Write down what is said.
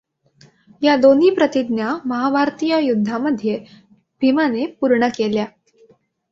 या दोन्ही प्रतिज्ञा महाभारतीय युद्धामधे भीमाने पूर्ण केल्या.